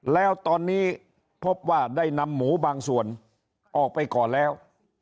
แล้วตอนนี้พบว่าได้นำหมูบางส่วนออกไปก่อนแล้ว